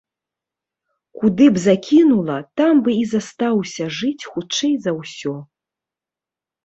Куды б закінула, там бы і застаўся жыць хутчэй за ўсё.